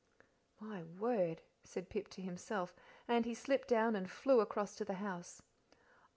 "My word!" said Pip to himself, and he slipped down and flew across to the house.